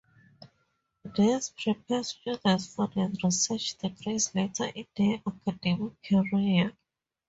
This prepares students for the research degrees later in their academic career.